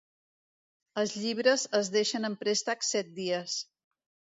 Els llibres es deixen en préstec set dies.